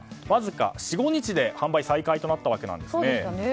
わずか４５日で販売再開となったんですね。